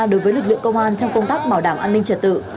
đối với lực lượng công an trong công tác bảo đảm an ninh trật tự